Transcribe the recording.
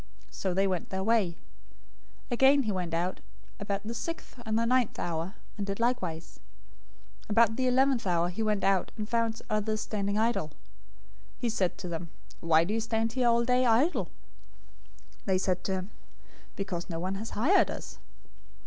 So they went their way. 020:005 Again he went out about the sixth and the ninth hour,{noon and 3:00 P. M.} and did likewise. 020:006 About the eleventh hour{5:00 PM} he went out, and found others standing idle. He said to them, 'Why do you stand here all day idle?' 020:007 "They said to him, 'Because no one has hired us.'